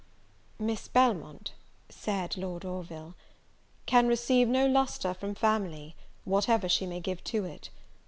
"Miss Belmont," said Lord Orville, "can receive no lustre from family, whatever she may give to it.